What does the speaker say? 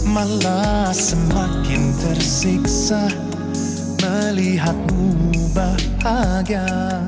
malah semakin tersiksa melihatmu bahagia